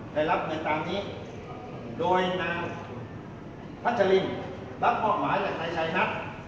ในรับเงินตามนี้โดยนางพระเจริญรับออกหมายในชัยนะ